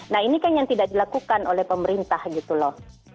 nah ini kan yang tidak dilakukan oleh pemerintah gitu loh